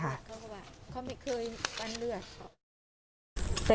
เขาไม่เคยฟันเลือด